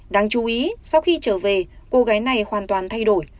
đáng chú ý sau khi trở về cô gái này hoàn toàn thay đổi